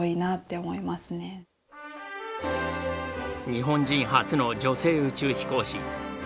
日本人初の女性宇宙飛行士向井千秋。